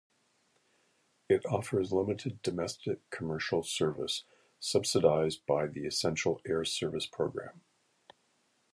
It offers limited, domestic commercial service, subsidized by the Essential Air Service program.